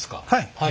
はい。